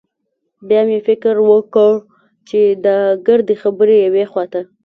بيا مې فکر وکړ چې دا ګردې خبرې يوې خوا ته.